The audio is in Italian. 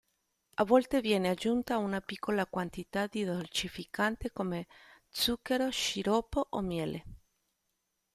A volte viene aggiunta una piccola quantità di dolcificante, come zucchero, sciroppo o miele.